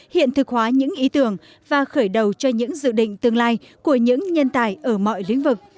hiện thực hóa những ý tưởng và khởi đầu cho những dự định tương lai của những nhân tài ở mọi lĩnh vực